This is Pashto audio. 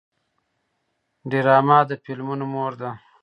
ډرامه د فلمونو مور ده